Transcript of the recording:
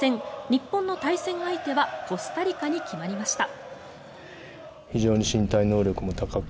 日本の対戦相手はコスタリカに決まりました。